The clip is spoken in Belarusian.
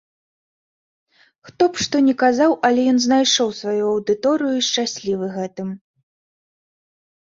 Хто б што ні казаў, але ён знайшоў сваю аўдыторыю і шчаслівы гэтым.